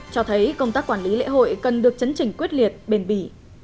cho thấy công tác quản lý lễ hội cần được chấn chỉnh quyết liệt bền bỉ